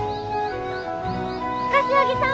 柏木さん！